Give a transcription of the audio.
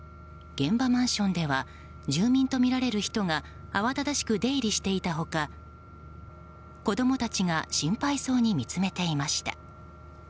現場マンションでは住民とみられる人が慌ただしく出入りしていた他子供たちが心配そうに見つめていました。